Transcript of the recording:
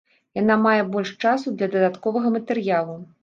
Яна мае больш часу для дадатковага матэрыялу.